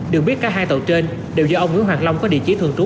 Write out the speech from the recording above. được biết cả hai tàu trên đều do ông nguyễn hoàng long có địa chỉ thường trú